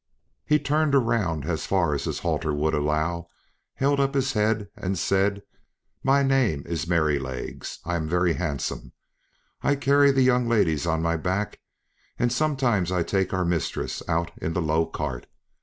He turned round as far as his halter would allow, held up his head, and said, "My name is Merrylegs. I am very handsome. I carry the young ladies on my back, and sometimes I take our mistress out in the low cart.